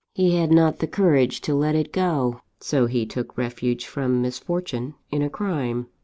He had not the courage to let it go; so he took refuge from misfortune in a crime.